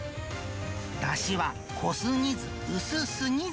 だしは濃すぎず薄すぎず。